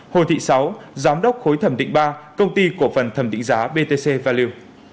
hồ thị sáu giám đốc khối thẩm định ba công ty cổ phần thẩm định giá btc valleu